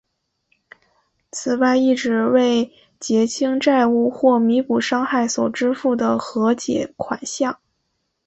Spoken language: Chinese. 此外亦指为结清债务或弥补伤害所支付的和解款项。